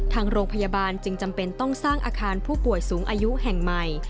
ทางโรงพยาบาลจึงจำเป็นต้องสร้างอาคารผู้ป่วยสูงอายุแห่งใหม่